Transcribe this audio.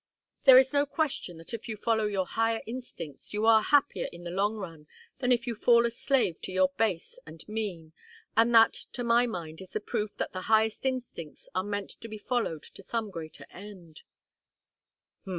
There is no question, that if you follow your higher instincts you are happier in the long run than if you fall a slave to your base and mean; and that, to my mind, is the proof that the highest instincts are meant to be followed to some greater end."